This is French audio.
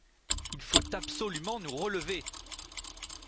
Il faut absolument nous relever !